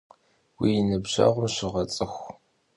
Vui nıbjeğur sığets'ıxu!